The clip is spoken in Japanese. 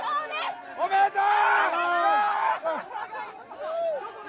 おめでとう。